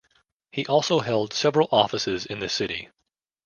He also held several offices in the city.